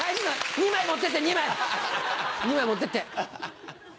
２枚２枚持ってって。